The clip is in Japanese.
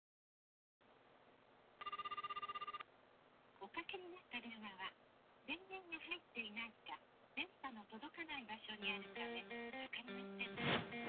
おかけになった電話は電源が入っていないか電波の届かない場所にあるためかかりません。